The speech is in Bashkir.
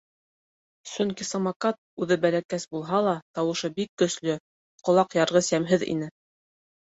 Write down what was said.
Сөнки «самокат» үҙе бәләкәс булһа ла, тауышы бик көслө, ҡолаҡ ярғыс йәмһеҙ ине.